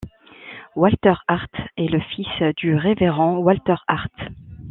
Walter Harte est le fils du révérend Walter Harte.